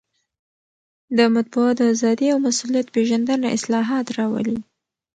د مطبوعاتو ازادي او مسوولیت پېژندنه اصلاحات راولي.